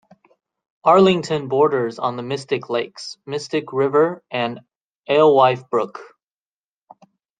Arlington borders on the Mystic Lakes, Mystic River, and Alewife Brook.